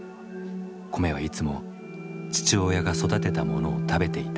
米はいつも父親が育てたものを食べていた。